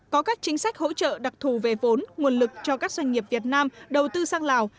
có các chính sách hỗ trợ đặc thù về vốn nguồn lực cho các doanh nghiệp việt nam đầu tư sang lào